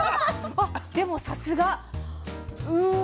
でもさすが！うわ！